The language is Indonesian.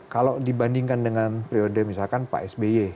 kalau dibandingkan dengan periode misalkan pak sby